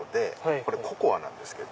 これココアなんですけど。